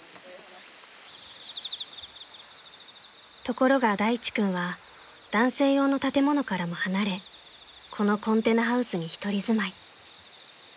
［ところが大地君は男性用の建物からも離れこのコンテナハウスに一人住まい］